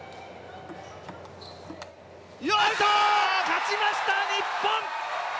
やった、勝ちました、日本！